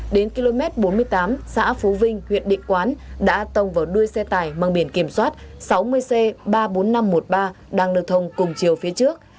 đến km bốn mươi tám xã phú vinh huyện định quán đã tông vào đuôi xe tải mang biển kiểm soát sáu mươi c ba mươi bốn nghìn năm trăm một mươi ba đang lưu thông cùng chiều phía trước